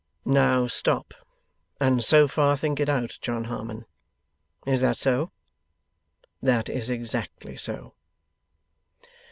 Now, stop, and so far think it out, John Harmon. Is that so? That is exactly so.